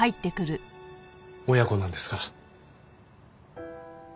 親子なんですから。